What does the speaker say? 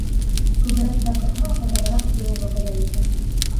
Күберәк саҡырһа, оҙағыраҡ йыл вәғәҙә итә.